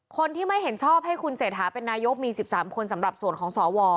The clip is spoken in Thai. คนที่ไม่เห็นชอบให้คุณเศรษฐาเป็นนายกมี๑๓คนสำหรับส่วนของสว